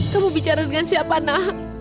kamu bicara dengan siapa nak